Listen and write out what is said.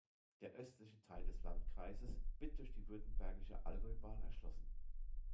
Der östliche Teil des Landkreises wird durch die Württembergische Allgäubahn erschlossen.